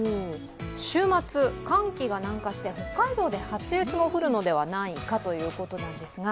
週末、寒気が南下して北海道で初雪が降るのではないかということですが。